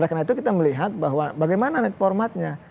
karena itu kita melihat bahwa bagaimana formatnya